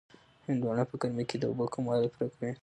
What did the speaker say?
هندواڼه په ګرمۍ کې د اوبو کموالی پوره کوي.